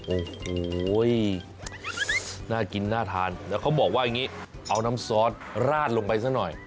โอ้โหน่ากินน่าทานแล้วเขาบอกว่าอย่างนี้เอาน้ำซอสราดลงไปซะหน่อย